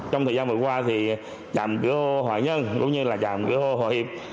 trong thời gian vừa qua trạm cửa hộ hòa nhân cũng như trạm cửa hộ hòa hiệp